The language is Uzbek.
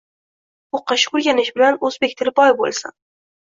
O‘qish-o‘rganish bilan o‘zbek tili boy bo’lsin.